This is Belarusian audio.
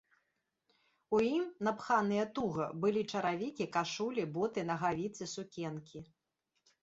У ім, напханыя туга, былі чаравікі, кашулі, боты, нагавіцы, сукенкі.